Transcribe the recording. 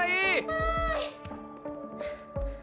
はい！